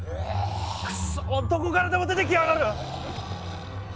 くっそどこからでも出てきやがる！